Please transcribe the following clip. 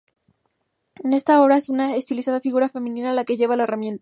En esta obra es una estilizada figura femenina la que lleva la herramienta.